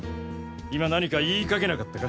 今何か言いかけなかったか？